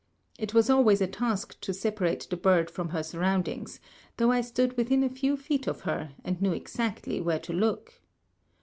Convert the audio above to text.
It was always a task to separate the bird from her surroundings, though I stood within a few feet of her, and knew exactly where to look.